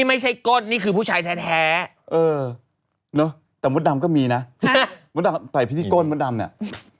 แท้เออเนอะแต่มดดำก็มีน่ะฮะมดดำใส่พิธีก้นมดดำเนี้ย